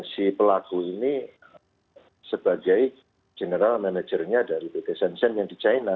si pelaku ini sebagai general managernya dari pt senssen yang di china